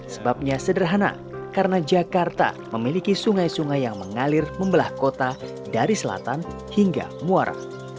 sebabnya sederhana karena jakarta memiliki sungai sungai yang mengalir membelah kota dari selatan hingga muara